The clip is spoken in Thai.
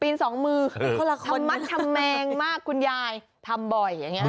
ปีนสองมือลำมาส์แขมม่งคุณยายทำบ่อยอย่างงี้